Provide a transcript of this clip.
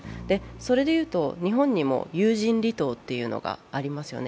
それで言うと日本にも有人離島というのがありますよね。